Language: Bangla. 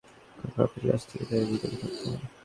কোন পাপের কাজ থেকেই তারা বিরত থাকত না।